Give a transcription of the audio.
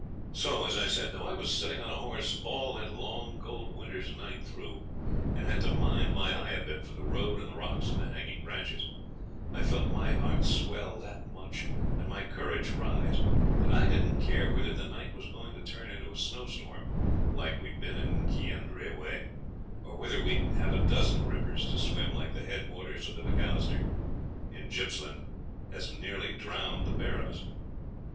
So, as I said, though I was sitting on a horse all that long cold winter's night through, and had to mind my eye a bit for the road and the rocks and the hanging branches, I felt my heart swell that much and my courage rise that I didn't care whether the night was going to turn into a snowstorm like we'd been in Kiandra way, or whether we'd have a dozen rivers to swim, like the head waters of the M'Alister, in Gippsland, as nearly drowned the pair of us.